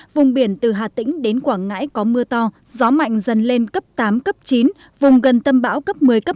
vùng biển từ hà tĩnh đến quảng ngãi có mưa to gió mạnh dần lên cấp tám chín vùng gần tâm bão cấp một mươi một mươi một